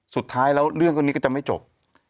สุดท้ายแล้วเรื่องพวกนี้ก็จะไม่จบ